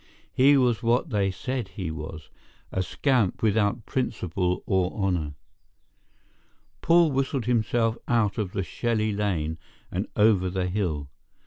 He was what they said he was, a scamp without principle or honour. Paul whistled himself out of the Shelley lane and over the hill.